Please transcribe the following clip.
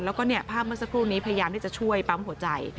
แล้วก็ภาพเมื่อสักครู่นี้พยายามที่จะช่วยปั๊มหัวใจ